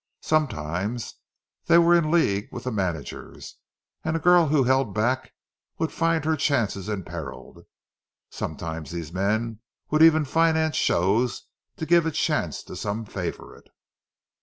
Sometimes they were in league with the managers, and a girl who held back would find her chances imperilled; sometimes these men would even finance shows to give a chance to some favourite.